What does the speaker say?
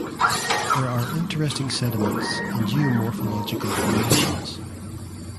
There are interesting sediments and geomorphological formations.